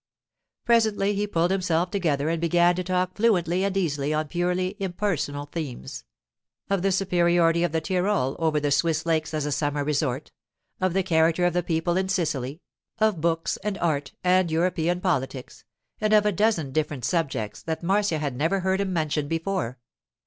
Presently he pulled himself together and began to talk fluently and easily on purely impersonal themes—of the superiority of the Tyrol over the Swiss lakes as a summer resort, of the character of the people in Sicily, of books and art and European politics, and of a dozen different subjects that Marcia had never heard him mention before.